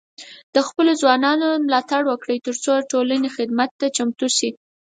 د خپلو ځوانانو ملاتړ وکړئ، ترڅو د ټولنې خدمت ته چمتو شي.